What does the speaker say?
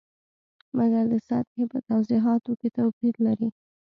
مګر د سطحې په توضیحاتو کې توپیر لري.